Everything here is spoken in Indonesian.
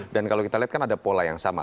dan kalau kita lihat kan ada pola yang sama